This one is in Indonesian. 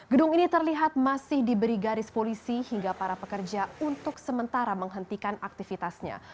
gedung ini terlihat masih diberi garis polisi hingga para pekerja untuk sementara menghentikan aktivitasnya